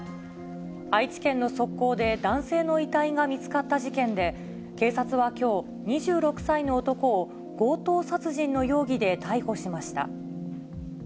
愛知県の側溝で、男性の遺体が見つかった事件で、警察はきょう、２６歳の男を強盗殺人の容疑で逮捕しました。